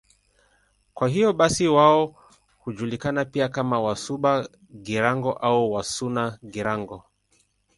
Kwa hiyo basi wao hujulikana pia kama Wasuba-Girango au Wasuna-Girango.